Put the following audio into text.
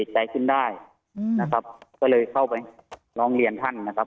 ใจขึ้นได้นะครับก็เลยเข้าไปร้องเรียนท่านนะครับ